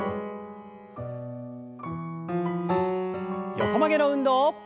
横曲げの運動。